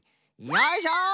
よいしょ！